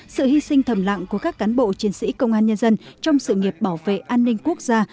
sự hy sinh thầm lặng của các cán bộ chiến sĩ công an nhân dân trong sự nghiệp bảo vệ an ninh quốc gia